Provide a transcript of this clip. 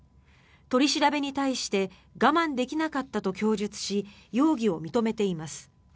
取り調べに対して我慢できなかったと供述し容疑を認めています。